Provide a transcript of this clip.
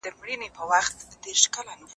د نعمتونو باران اوري